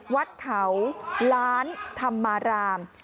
วัดเขาล้านธรรมาราม